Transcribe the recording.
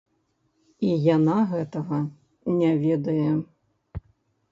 І яна гэтага не ведае!